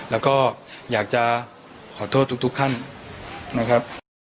แล้วก็อยากจะขอโทษทุกท่านนะครับ